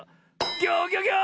ギョギョギョ！